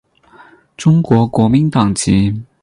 中国国民党籍。